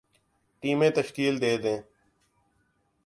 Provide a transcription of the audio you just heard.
ٹیمیں تشکیل دے دیں